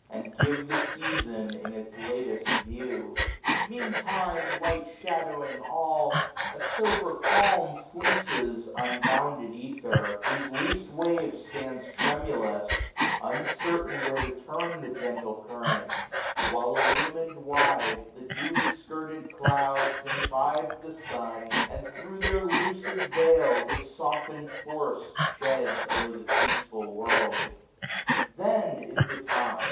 And give the season in its latest view. M£AN TiM£, light shadowing all, a sober calm 955 Fleeces unbounded ether; whose least wave Stands tremulous, uncertain where to turn The gentle current : while illumin'd wide. The dewy skirted clouds imbibe the sun. And thro* their lucid veil his softened force 960 Shed o'er the peaceful world. Then is the time.